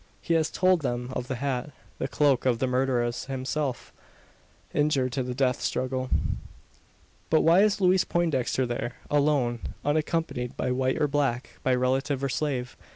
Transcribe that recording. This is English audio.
He has told them of the hat, the cloak of the murderer himself, injured in the death struggle! But why is Louise Poindexter there alone unaccompanied by white or black, by relative or slave?